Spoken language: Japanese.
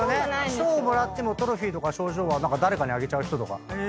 賞をもらってもトロフィーとか賞状は誰かにあげちゃう人とか。